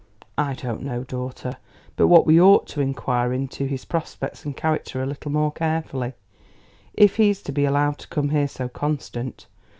I don't know, daughter, but what we ought to inquire into his prospects and character a little more carefully, if he's to be allowed to come here so constant.